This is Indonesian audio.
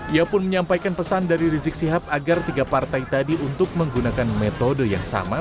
ia pun menyampaikan pesan dari rizik sihab agar tiga partai tadi untuk menggunakan metode yang sama